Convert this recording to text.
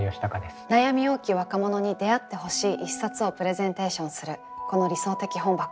悩み多き若者に出会ってほしい一冊をプレゼンテーションするこの「理想的本箱」。